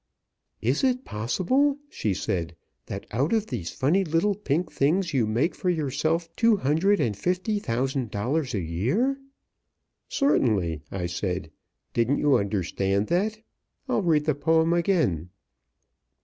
"Is it possible," she said, "that out of these funny little pink things you make for yourself two hundred and fifty thousand dollars a year?" "Certainly," I said. "Didn't you understand that? I'll read the poem again."